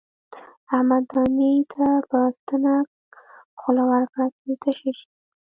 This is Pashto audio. احمد دانې ته په ستنه خوله ورکړه چې تشه شي.